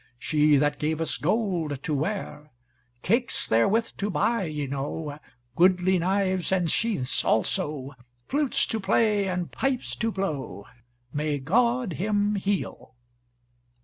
She that gave us gold to ware. Cakes therewith to buy ye know, Goodly knives and sheaths also. Flutes to play, and pipes to blow, May God him heal!"